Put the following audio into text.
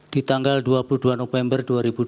di tanggal dua puluh dua november dua ribu dua puluh